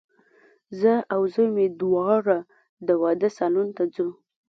زه او زوی مي دواړه د واده سالون ته ځو